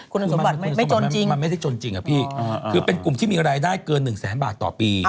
คุณสมบัติคนไม่จนจริงมันไม่ได้จนจริงอะพี่คือเป็นกลุ่มที่มีรายได้เกินหนึ่งแสนบาทต่อปี